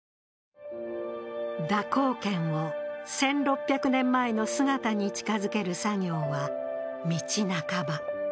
蛇行剣を１６００年前の姿に近づける作業は道半ば。